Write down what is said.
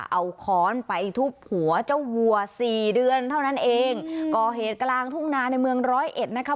เอาค้อนไปทุบหัวเจ้าวัวสี่เดือนเท่านั้นเองก่อเหตุกลางทุ่งนาในเมืองร้อยเอ็ดนะคะ